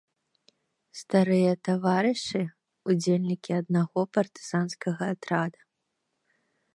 Старыя таварышы, удзельнікі аднаго партызанскага атрада.